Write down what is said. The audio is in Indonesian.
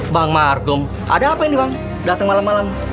bang margom ada apa ini bang datang malam malam